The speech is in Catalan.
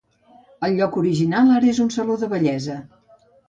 El lloc original ara és un saló de bellesa.